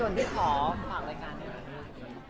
โอเคค่ะขอบคุณค่ะ